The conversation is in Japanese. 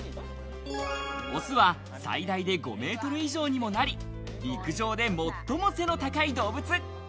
オスは最大で５メートル以上にもなり陸上で最も背の高い動物。